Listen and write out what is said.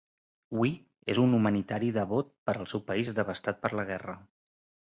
Weah és un humanitari devot per al seu país devastat per la guerra.